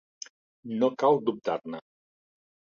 No cal dubtar-ne.